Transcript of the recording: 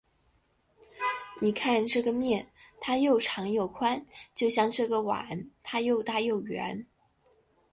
你看这个面，它又长又宽，就像这个碗，它又大又圆。